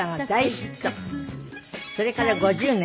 それから５０年。